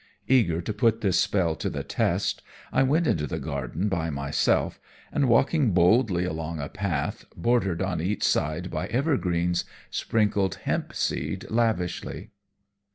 Eager to put this spell to the test, I went into the garden by myself and, walking boldly along a path, bordered on each side by evergreens, sprinkled hempseed lavishly.